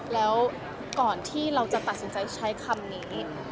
แล้วก่อนที่เราจะตัดสินใจใช้คำนี้